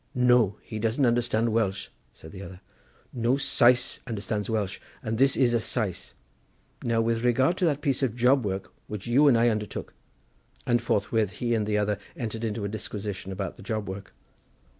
"No, he doesn't understand Welsh," said the other; "no Sais understands Welsh, and this is a Sais. Now with regard to that piece of job work which you and I undertook." And forthwith he and the other entered into a disquisition about the job work.